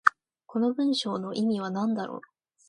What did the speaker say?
この文章の意味は何だろう。